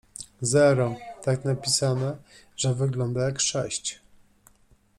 Zero tak napisane, że wygląda jak sześć.